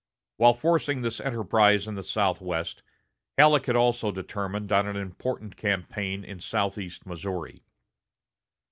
While forcing this enterprise in the southwest, Halleck had also determined on an important campaign in southeast Missouri.